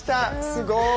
すごい。